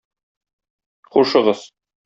Хушыгыз...